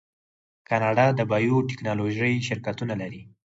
کاناډا د بایو ټیکنالوژۍ شرکتونه لري.